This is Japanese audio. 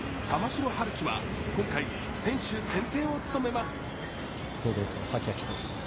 城陽希は今回、選手宣誓を務めます。